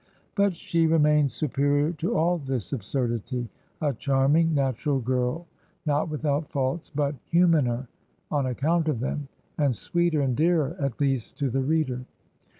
But she remains, superior to all this absurdity, a charming, natural girl, not without faults, but humaner on ac count of them, and sweeter and dearer, at least to the reader.